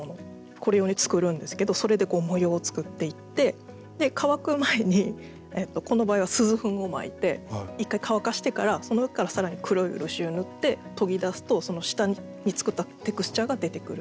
これ用に作るんですけどそれでこう模様を作っていってで乾く前にこの場合は錫粉をまいて１回乾かしてからその上から更に黒い漆を塗って研ぎ出すとその下に作ったテクスチャーが出てくる。